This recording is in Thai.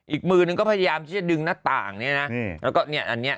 อีกมือนึงก็พยายามที่จะดึงหน้าต่างเนี่ยนะแล้วก็เนี่ยอันเนี้ย